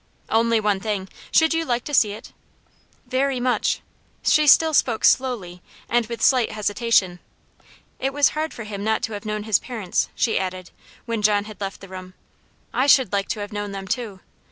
"Only one thing. Should you like to see it?" "Very much." She still spoke slowly, and with slight hesitation. "It was hard for him not to have known his parents," she added, when John had left the room. "I should like to have known them too.